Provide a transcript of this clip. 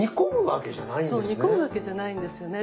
煮込むわけじゃないんですね。